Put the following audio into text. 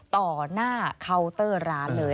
ต่อหน้าเคาน์เตอร์ร้านเลย